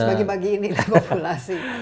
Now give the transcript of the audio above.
harus bagi bagi ini populasi